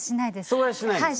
それはしないんですか？